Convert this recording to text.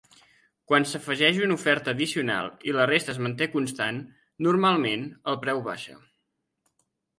Quan s'afegeix una oferta addicional i la resta es manté constant, normalment el preu baixa.